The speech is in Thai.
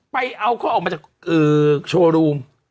ไปเอาเขาออกมาจากโชว์รูม